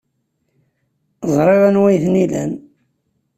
Ẓriɣ anwa ay ten-ilan.